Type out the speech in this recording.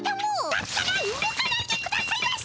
だったら動かないでくださいまし！